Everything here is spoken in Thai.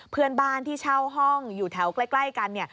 เพื่อนบ้านที่เช่าห้องอยู่แถวใกล้กันเนี่ย